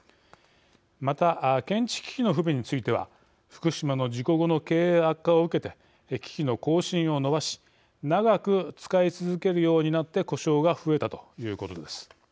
また、検知機器の不備については福島の事故後の経営悪化を受けて機器の更新をのばし長く使い続けるようになって故障が増えたということです。